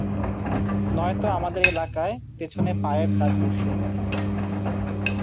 নয়তো আমাদের এলাকায়, পেছনে পায়ের দাগ বসিয়ে দেয়।